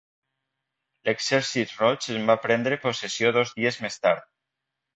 L'Exèrcit Roig en va prendre possessió dos dies més tard.